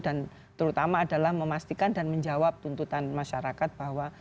dan terutama adalah memastikan dan menjawab tuntutan masyarakat bahwa